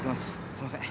すいません。